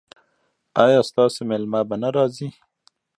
ایا ستاسو میلمه به را نه ځي؟